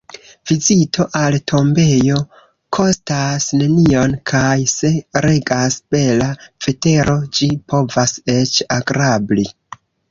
Vizito al tombejo kostas nenion kaj, se regas bela vetero, ĝi povas eĉ agrabli.